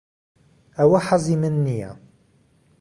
ئەوە حەزی من نییە.